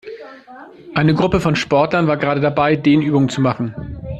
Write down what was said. Eine Gruppe von Sportlern war gerade dabei, Dehnübungen zu machen.